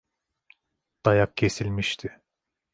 Dayak kesilmişti.